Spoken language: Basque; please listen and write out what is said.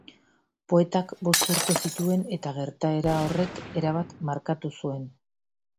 Poetak bost urte zituen eta gertaera horrek erabat markatu zuen.